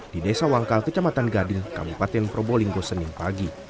di desa wangkal kecamatan gading kabupaten probolinggo senin pagi